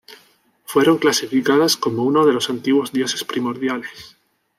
Fueron clasificadas como unos de los antiguos dioses primordiales.